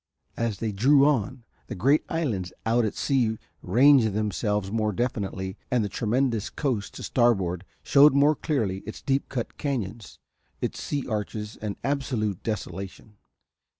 As they drew on the great islands out at sea ranged themselves more definitely and the tremendous coast to starboard shewed more clearly its deep cut canons, its sea arches and absolute desolation.